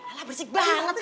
alah bersik banget sih